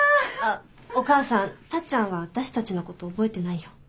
あっお母さんタッちゃんは私たちのこと覚えてないよ。